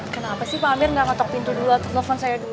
kenapa sih pak amir nggak ngetok pintu dulu atau telepon saya dulu